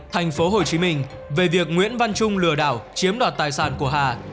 thành phố hồ chí minh về việc nguyễn văn trung lừa đảo chiếm đoạt tài sản của hà